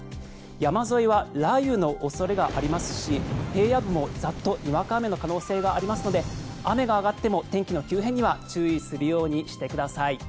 山沿いは雷雨の恐れがありますし平野部もザッとにわか雨の可能性がありますので雨が上がっても天気の急変には注意するようにしてください。